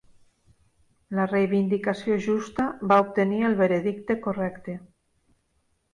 La reivindicació justa va obtenir el veredicte correcte.